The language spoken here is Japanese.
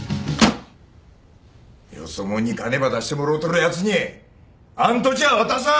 よそ者に金ば出してもろうとるやつにあん土地は渡さん！